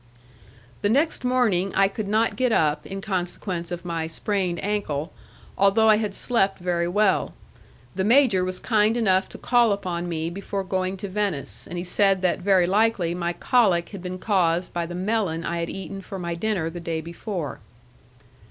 The next morning I could not get up in consequence of my sprained ankle, although I had slept very well; the major was kind enough to call upon me before going to Venice, and he said that very likely my colic had been caused by the melon I had eaten for my dinner the day before.